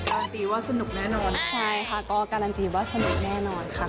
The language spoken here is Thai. การันตีว่าสนุกแน่นอนใช่ค่ะก็การันตีว่าสนุกแน่นอนค่ะ